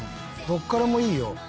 どっからもいいよ。